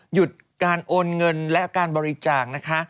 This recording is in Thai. หยุดการโอนเงินและการบริจาคนะคะ